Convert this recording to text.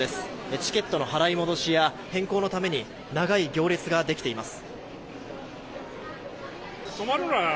チケットの払い戻しや変更のために長い行列ができています。